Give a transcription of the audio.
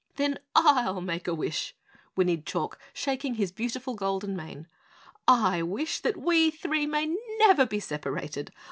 "Then I'll make a wish," whinnied Chalk, shaking his beautiful golden mane. "I wish that we three may never be separated!